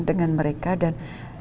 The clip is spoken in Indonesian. dengan mereka dan